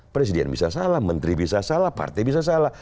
presiden bisa salah menteri bisa salah partai bisa salah